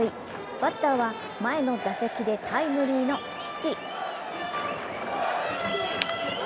バッターは前の打席でタイムリーの岸。